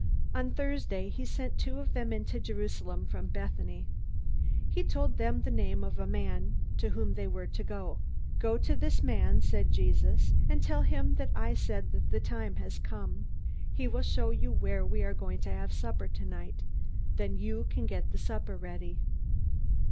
On Thursday he sent two of them into Jerusalem from Bethany. He told them the name of the man to whom they were to go. "Go to this man," said Jesus, "and tell him that I said the time has come. He will show you where we are going to have supper tonight. Then you can get the supper ready."